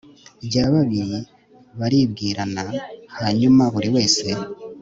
rya babiri, baribwirana, hanyuma buri wese